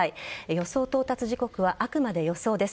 予想到達時刻はあくまで予想です。